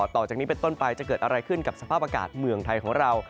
ต่อจากนี้เป็นต้นไปจะเกิดอะไรขึ้นกับสภาพอากาศเมืองไทยของเรา